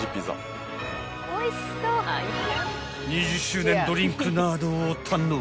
［２０周年ドリンクなどを堪能］